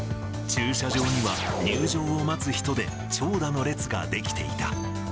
駐車場には入場を待つ人で長蛇の列が出来ていた。